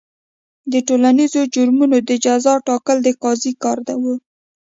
د ټولنیزو جرمونو د جزا ټاکل د قاضي کار و.